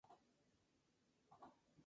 Su nombre está dedicado a la Ing. Agr.